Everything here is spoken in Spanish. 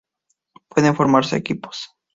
Pueden formarse equipos.